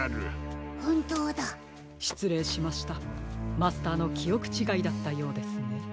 マスターのきおくちがいだったようですね。